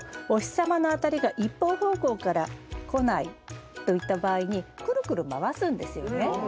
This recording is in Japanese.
様の当たりが一方方向から来ないといった場合にくるくる回すんですよね。